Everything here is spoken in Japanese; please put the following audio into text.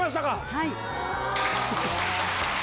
はい。